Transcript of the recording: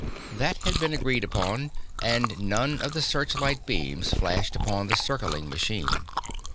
That had been agreed upon, and none of the searchlight beams flashed upon the circling machine.